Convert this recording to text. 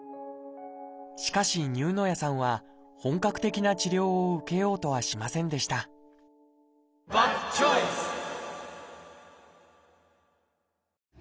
しかし丹生谷さんは本格的な治療を受けようとはしませんでしたバッドチョイス！